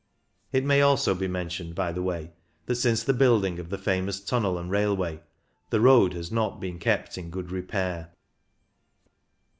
It may also be mentioned, by the way, that since the building of the famous tunnel and railway the road has not been kept in good repair.